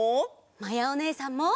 まやおねえさんも。